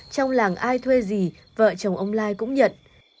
trong làng ai thuê gì vợ chồng ông lai cũng nhận